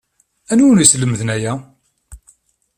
Anwi i wen-yeslemden aya?